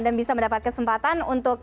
bisa mendapat kesempatan untuk